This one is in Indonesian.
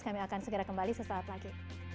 kami akan segera kembali sesaat lagi